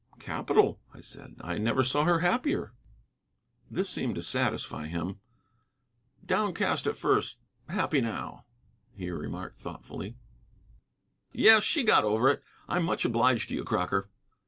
"Capital," I said; "I never saw her happier." This seemed to satisfy him. "Downcast at first, happy now," he remarked thoughtfully. "Yes, she got over it. I'm much obliged to you, Crocker."